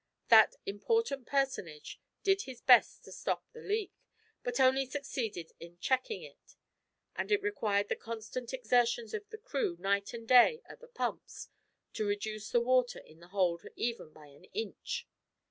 That important personage did his best to stop the leak, but only succeeded in checking it, and it required the constant exertions of the crew night and day at the pumps to reduce the water in the hold even by an inch.